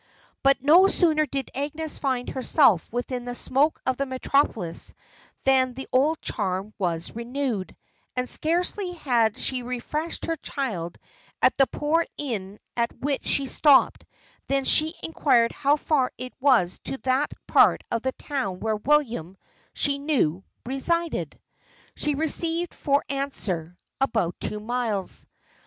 But no sooner did Agnes find herself within the smoke of the metropolis than the old charm was renewed; and scarcely had she refreshed her child at the poor inn at which she stopped than she inquired how far it was to that part of the town where William, she knew, resided? She received for answer, "about two miles."